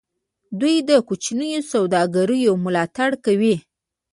دوی د کوچنیو سوداګریو ملاتړ کوي.